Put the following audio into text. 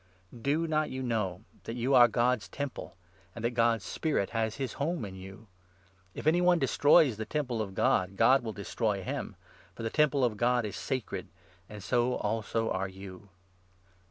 Do not you know that you are God's Temple, and that God's 16 Spirit has his home in you ? If any one destroys the Temple 17 of God, God will destroy him ; for the Temple of God is sacred, and so also are you.